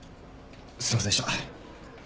すいませんでした。